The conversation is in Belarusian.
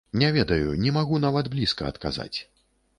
Не ведаю, не магу нават блізка адказаць.